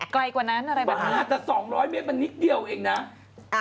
ไกลกว่านั้นอะไรแบบนั้นว้าวแต่๒๐๐เมตรมันนิดเดียวเองนะ